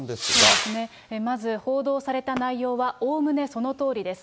そうですね、まず報道された内容は、おおむねそのとおりです。